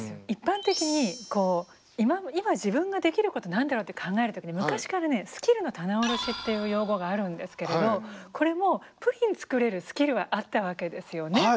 一般的に今自分ができること何だろうって考える時に昔からね「スキルの棚卸し」っていう用語があるんですけれどこれもプリン作れるスキルはあったわけですよね。